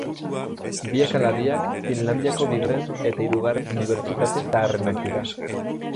Biak ala biak Finlandiako bigarren eta hirugarren unibertsitate zaharrenak dira.